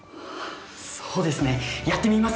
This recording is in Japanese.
そうですねやってみます！